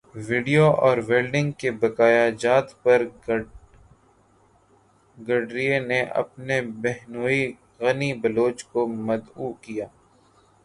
video اور welding کے بقایاجات پر گڈریے نے اپنے بہنوئی غنی بلوچ کو مدعو کیا